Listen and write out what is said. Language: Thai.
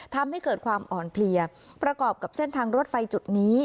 ทำให้เกิดความอ่อนเพลียประกอบกับเส้นทางรถไฟจุดนี้